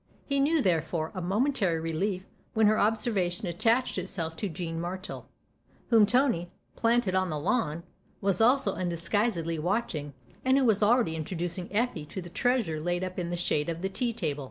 He knew therefore a momentary relief when her observation attached itself to Jean Martle, whom Tony, planted on the lawn, was also undisguisedly watching and who was already introducing Effie to the treasure laid up in the shade of the tea table.